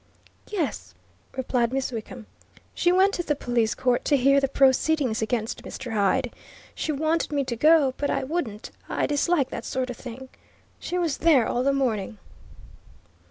"Yes," replied Miss Wickham. "She went to the police court, to hear the proceedings against Mr. Hyde. She wanted me to go, but I wouldn't I dislike that sort of thing. She was there all the morning."